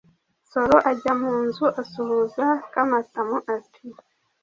Nsoro ajya mu nzu asuhuza Kamatamu, ati “